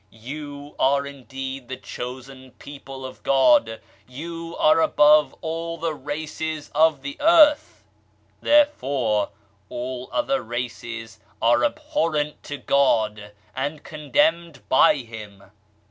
You RELIGIOUS PREJUDICES 4* are indeed the chosen people of God, you are above all the races of the earth 1 Therefore, all other races are abhorrent to God, and condemned by Him.